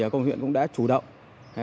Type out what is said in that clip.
công an huyện cũng đã chủ động